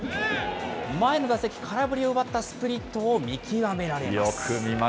前の打席、空振りを奪ったスプリットを見極められます。